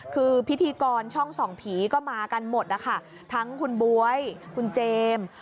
คือพิธีกรช่องส่องผีก็มากันหมดนะคะทั้งคุณบ๊วยคุณเจมส์